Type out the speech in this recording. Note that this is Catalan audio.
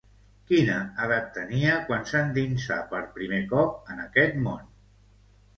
Quina edat tenia quan s'endinsà per primer cop en aquest món?